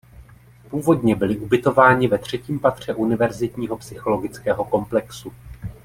Původně byli ubytováni ve třetím patře univerzitního psychologického komplexu.